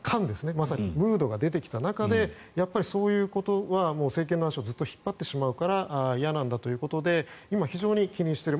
まさにムードが出てきた中でそういうことは政権の足をずっと引っ張ってしまうから嫌なんだということで今、非常に気にしている。